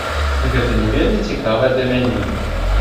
Гэта не вельмі цікава для мяне.